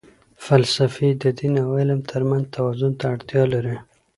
فلسفې د دین او علم ترمنځ توازن ته اړتیا لري.